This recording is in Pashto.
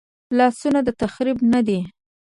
لاسونه د تخریب نه دي